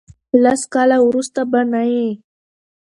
لس کاله ورسته به نه یی.